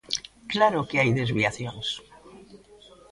Claro que hai desviacións.